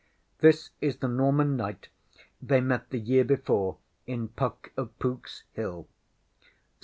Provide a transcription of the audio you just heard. [This is the Norman knight they met the year before in PUCK OF POOKŌĆÖS HILL.